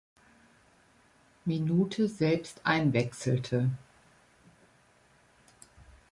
Minute selbst einwechselte.